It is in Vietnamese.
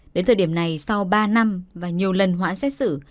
đến thời điểm này sau ba năm và nhiều lần hoãn xét xử